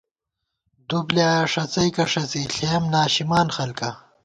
دُو بۡلیایا ݭَڅَئیکہ ݭَڅی ݪېیَم ناشِمان خلکا